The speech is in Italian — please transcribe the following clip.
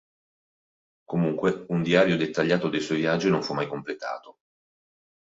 Comunque, un diario dettagliato dei suoi viaggi non fu mai completato.